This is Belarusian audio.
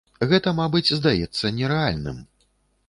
Гэта, мабыць, здаецца нерэальным.